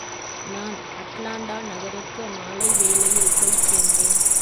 நான் அட்லாண்டா நகருக்கு மாலைவேளையில் போய்ச் சேர்ந்தேன்.